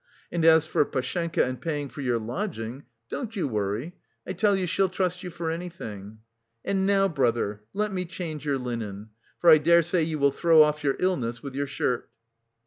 And as for Pashenka and paying for your lodging, don't you worry. I tell you she'll trust you for anything. And now, brother, let me change your linen, for I daresay you will throw off your illness with your shirt."